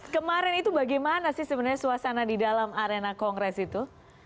kemarin itu bagaimana sih sebenarnya suasana di dalam arena kongres itu